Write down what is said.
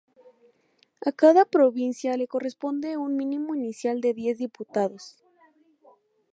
A cada provincia le corresponde un mínimo inicial de diez diputados.